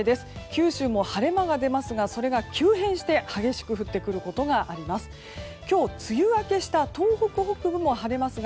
九州も晴れ間が出ますがそれが急変して激しく降ってくることがあります。